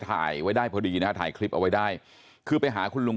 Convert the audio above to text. ถ่ายไว้ได้พอดีนะฮะถ่ายคลิปเอาไว้ได้คือไปหาคุณลุง